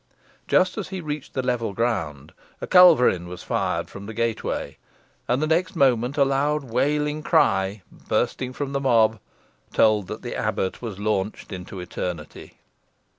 Just as he reached the level ground, a culverin was fired from the gateway, and the next moment a loud wailing cry bursting from the mob told that the abbot was launched into eternity.